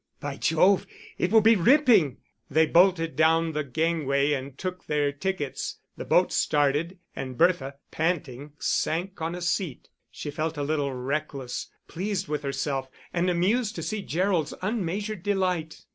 "By Jove, it will be ripping." They bolted down the gangway and took their tickets; the boat started, and Bertha, panting, sank on a seat. She felt a little reckless, pleased with herself, and amused to see Gerald's unmeasured delight.